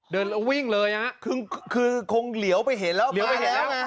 เดินวิ่งเลยคือคงเหลียวไปเห็นแล้วเดี๋ยวไปเห็นแล้ว